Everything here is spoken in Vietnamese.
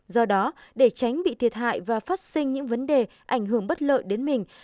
do đó để tránh bị thiệt hại và phát sinh những vấn đề ảnh hưởng bất lợi đến mình